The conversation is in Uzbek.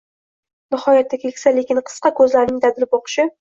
nihoyatda keksa, lekin qisiq koʼzlarining dadil boqishi